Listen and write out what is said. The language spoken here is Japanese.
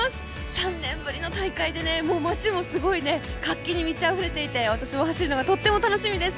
３年ぶりの大会で、街もすごい活気に満ちあふれていて私も走るのがとても楽しみです！